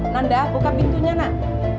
nanda buka pintunya nak